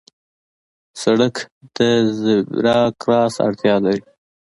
سړک د زېبرا کراس اړتیا لري.